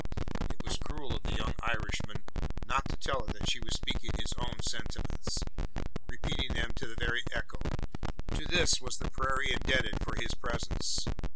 It was cruel of the young Irishman not to tell her that she was speaking his own sentiments repeating them to the very echo. To this was the prairie indebted for his presence.